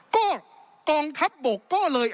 ก็กองทัพบกก็เลย